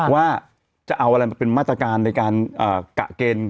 ว่าจะเอาอะไรมาเป็นมาตรการในการกะเกณฑ์